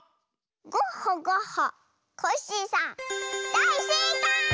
ゴッホゴッホコッシーさんだいせいかい！